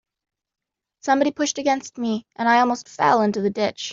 Somebody pushed against me, and I almost fell into the ditch.